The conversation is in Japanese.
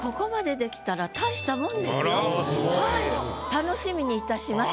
楽しみにいたします。